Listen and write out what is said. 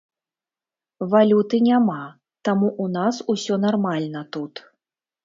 Валюты няма, таму ў нас усё нармальна тут.